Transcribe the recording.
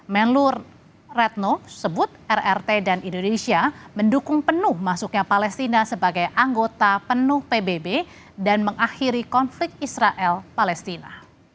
menlur retno sebut rrt dan indonesia mendukung penuh masuknya palestina sebagai anggota penuh pbb dan mengakhiri konflik israel palestina